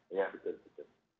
ya ya betul betul